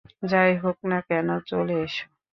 যাই হোক না কেন, চলে এসো।